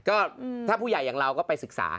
ก็ถ้าผู้ใหญ่อย่างเราก็ไปศึกษา